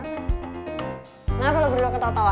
kenapa lo berdua ketawa tawa